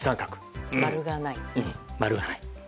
〇がない。